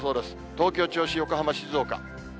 東京、銚子、横浜、静岡。